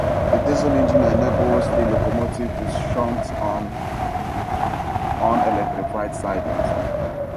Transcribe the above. The diesel engine enables the locomotive to shunt on unelectrified sidings.